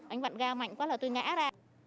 anh vặn ga mạnh quá là tôi ngã ra